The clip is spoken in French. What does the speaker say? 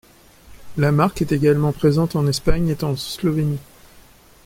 La marque est également présente en Espagne et en Slovénie.